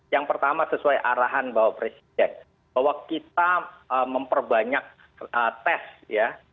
yang pertama sesuai arahan bapak presiden bahwa kita memperbanyak tes ya